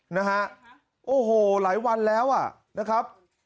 นะฮะโอ้โหหลายวันแล้วอ่ะนะครับ